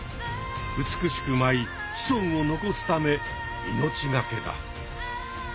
美しく舞い子孫を残すため命がけだ。